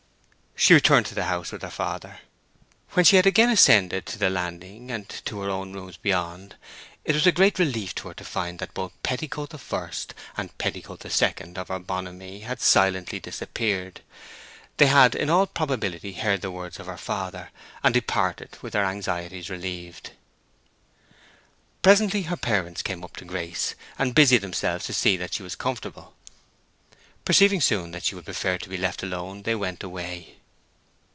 She returned to the house with her father. When she had again ascended to the landing and to her own rooms beyond it was a great relief to her to find that both Petticoat the First and Petticoat the Second of her Bien aimé had silently disappeared. They had, in all probability, heard the words of her father, and departed with their anxieties relieved. Presently her parents came up to Grace, and busied themselves to see that she was comfortable. Perceiving soon that she would prefer to be left alone they went away.